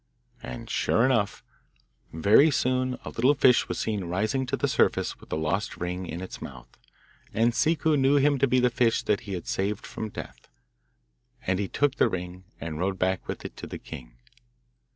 And sure enough, very soon a little fish was seen rising to the surface with the lost ring in his mouth. And Ciccu knew him to be the fish that he had saved from death, and he took the ring and rode back with it to the king.